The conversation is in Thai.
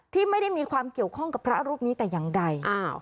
ที่ไม่ได้มีความเกี่ยวข้องกับพระรูปนี้แต่อย่างใด